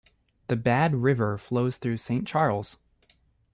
The Bad River flows through Saint Charles.